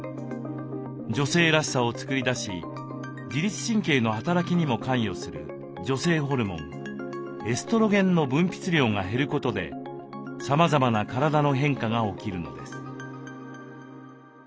女性らしさを作り出し自律神経の働きにも関与する女性ホルモンエストロゲンの分泌量が減ることでさまざまな体の変化が起きるのです。